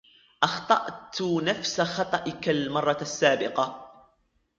أخطأت نفس خطإكَ المرة السابقة.